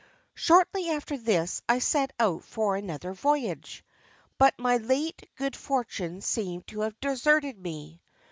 "Shortly after this I set out for another voyage, but my late good fortune seemed to have deserted me.